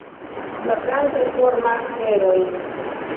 La plantoj formas berojn.